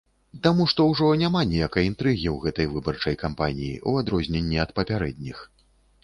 Таму што ўжо няма ніякай інтрыгі ў гэтай выбарчай кампаніі, у адрозненні ад папярэдніх.